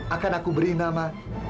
akan aku beri nama